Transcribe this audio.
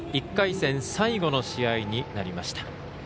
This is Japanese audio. １回戦最後の試合になりました。